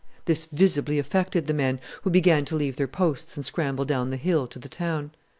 This visibly affected the men, who began to leave their posts and scramble down the hill to the town.